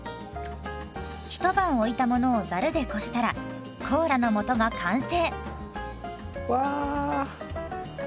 ひと晩置いたものをざるでこしたらコーラの素が完成。わ！